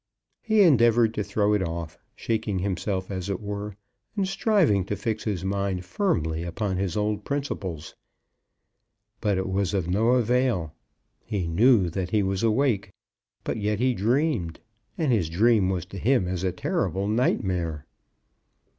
He endeavoured to throw it off, shaking himself as it were, and striving to fix his mind firmly upon his old principles. But it was of no avail. He knew he was awake; but yet he dreamed; and his dream was to him as a terrible nightmare.